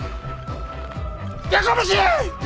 やかましい！